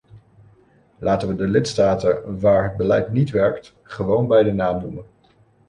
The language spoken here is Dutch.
Laten we de lidstaten waar het beleid niet werkt gewoon bij de naam noemen.